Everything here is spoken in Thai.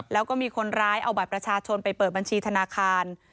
แล้วก็มีคนร้ายเอาบัตรประชาชนไปเปิดบัญชีธนาคาร